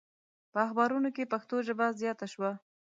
په اخبارونو کې پښتو ژبه زیاته شوه.